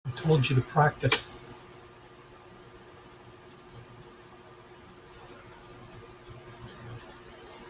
I told you to practice.